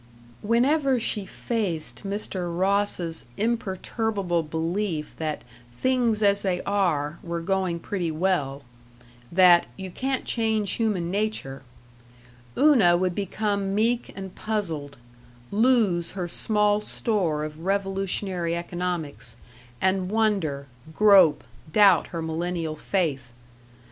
Whenever she faced Mr. Ross's imperturbable belief that things as they are were going pretty well, that "you can't change human nature," Una would become meek and puzzled, lose her small store of revolutionary economics, and wonder, grope, doubt her millennial faith.